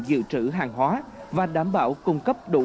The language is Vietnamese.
các chợ cũng có nguồn dự trữ hàng hóa và đảm bảo cung cấp đủ